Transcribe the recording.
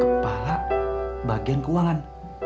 kepala bagian keuangan